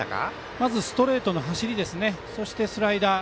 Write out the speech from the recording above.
まずストレートの走りそしてスライダー。